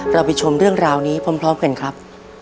ไปชมเรื่องราวนี้พร้อมกันครับ